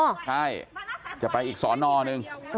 ใช่จะไปอีกสอนอหนึ่ง